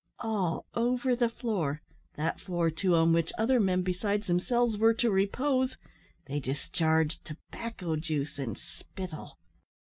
All over the floor that floor, too, on which other men besides themselves were to repose they discharged tobacco juice and spittle.